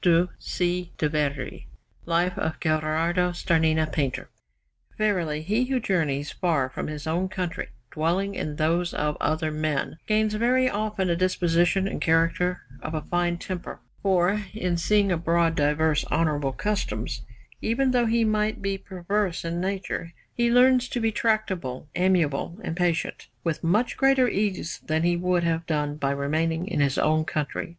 GHERARDO STARNINA LIFE OF GHERARDO STARNINA PAINTER Verily he who journeys far from his own country, dwelling in those of other men, gains very often a disposition and character of a fine temper, for, in seeing abroad diverse honourable customs, even though he might be perverse in nature, he learns to be tractable, amiable, and patient, with much greater ease than he would have done by remaining in his own country.